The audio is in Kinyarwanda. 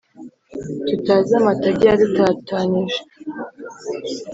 tutazi amatage yadutatanije